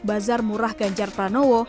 bazar murah ganjar pranowo